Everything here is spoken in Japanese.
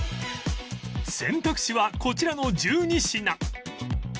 選択肢はこちらの１２品